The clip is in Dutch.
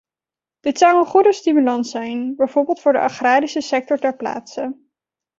Dit zou een goede stimulans zijn, bijvoorbeeld voor de agrarische sector ter plaatse.